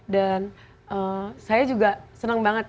dan saya juga senang banget